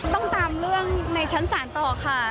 ตามเรื่องในชั้นศาลต่อค่ะ